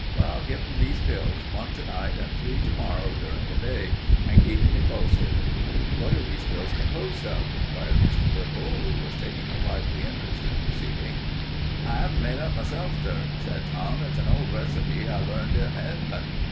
Well, give 'im these pills, one to night and three to morrow, during the day, and keep me posted." "What are these pills composed of?" inquired Mr. Whipple, who was taking a lively interest in proceedings. "I 'ave 'em made up myself, sir," said Tom. "It's an old receipt I learned in Hengland.